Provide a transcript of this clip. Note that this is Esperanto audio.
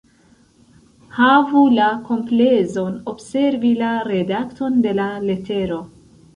Havu la komplezon observi la redakton de la letero.